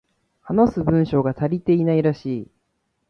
話す文章が足りていないらしい